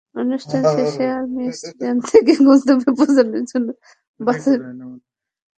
অনুষ্ঠান শেষে army stadium থেকে গন্তব্যে পৌঁছানোর জন্য বাসের ব্যবস্থা থাকবে।